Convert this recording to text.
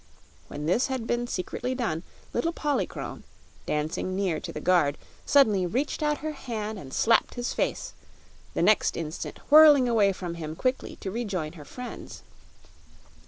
When this had been secretly done, little Polychrome, dancing near to the guard, suddenly reached out her hand and slapped his face, the next instant whirling away from him quickly to rejoin her friends.